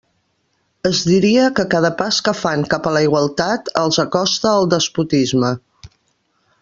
Es diria que cada pas que fan cap a la igualtat els acosta al despotisme.